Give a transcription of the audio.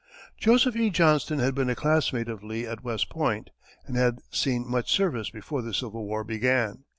Joseph E. Johnston had been a classmate of Lee at West Point, and had seen much service before the Civil War began.